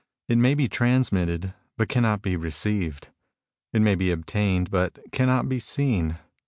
It may be transmitted, but cannot be received. It may be obtained, but cannot be seen.